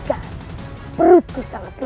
dan peran saya tadi